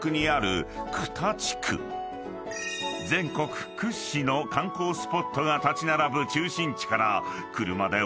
［全国屈指の観光スポットが立ち並ぶ］